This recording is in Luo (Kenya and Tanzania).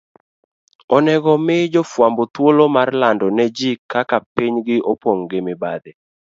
onego mi jofwambo thuolo mar lando ne ji kaka pinygi opong ' gi mibadhi.